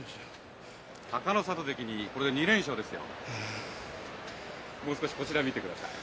隆の里にこれで２連勝ですよ。